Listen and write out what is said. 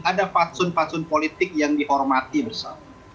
ada patsun patsun politik yang dihormati bersama